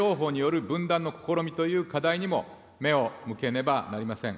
偽情報による分断の試みという課題にも目を向けねばなりません。